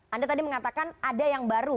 anda tadi mengatakan ada yang baru